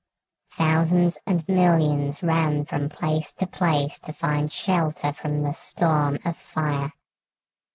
Thousands and millions ran from place to place to find shelter from the storm of fire.